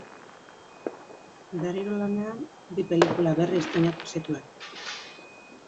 Berriro lanean, bi pelikula berri estreinatu zituen.